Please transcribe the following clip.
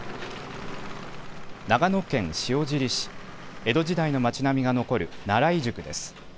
長野県塩尻市、江戸時代の町並みが残る奈良井宿です。